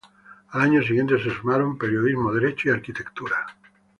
Al año siguiente, se sumaron Periodismo, Derecho y Arquitectura.